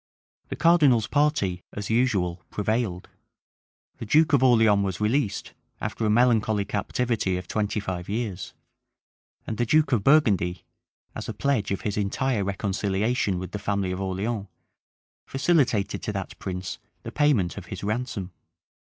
The cardinal's party, as usual, prevailed: the duke of Orleans was released, after a melancholy captivity of twenty five years:[*] and the duke of Burgundy, as a pledge of his entire reconciliation with the family of Orleans, facilitated to that prince the payment of his ransom.